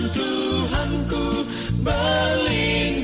ku kan pergi bersamanya